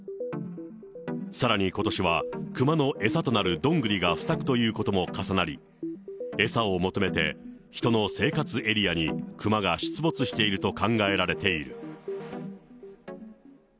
さらにことしは、クマの餌となるドングリが不作ということも重なり、餌を求めて、人の生活エリアにクマが出没していると考えられている。